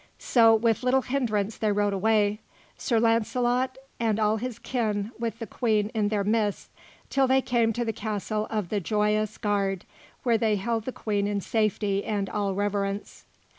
So with little hindrance they rode away, Sir Launcelot and all his kin with the Queen in their midst, till they came to the castle of the Joyous Garde where they held the Queen in safety and all reverence.